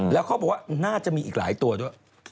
แล้วเขาบอกว่าน่าจะมีอีกหลายตัวด้วย